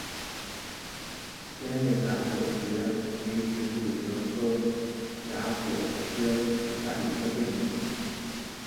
尖裂荚果蕨为球子蕨科荚果蕨属下的一个变种。